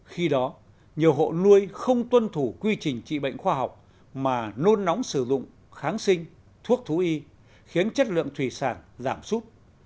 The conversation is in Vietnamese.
khi đó nhiều hộ nuôi không tuân thủ quy trình trị bệnh khoa học mà nôn nóng sử dụng kháng sinh thuốc thú y khiến chất lượng thủy sản giảm sút